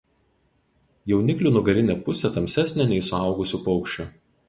Jauniklių nugarinė pusė tamsesnė nei suaugusių paukščių.